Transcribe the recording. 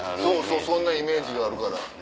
そうそんなイメージがあるから。